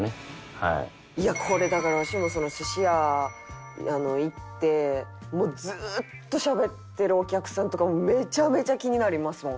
これだから私も寿司屋行ってもうずーっとしゃべってるお客さんとかめちゃめちゃ気になりますもん。